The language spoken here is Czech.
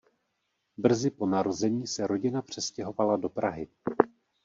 Brzy po narození se rodina přestěhovala do Prahy.